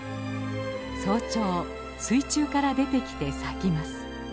早朝水中から出てきて咲きます。